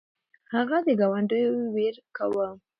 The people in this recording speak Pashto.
هغه د ګاونډیو ویر کاوه.